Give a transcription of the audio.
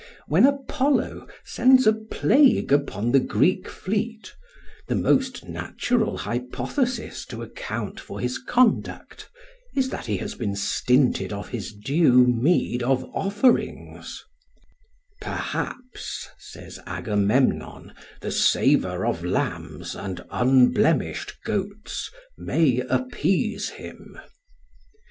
When Apollo sends a plague upon the Greek fleet the most natural hypothesis to account for his conduct is that he has been stinted of his due meed of offerings; "perhaps," says Agamemnon, "the savour of lambs and unblemished goats may appease him."